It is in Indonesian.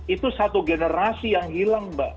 itu satu generasi yang hilang mbak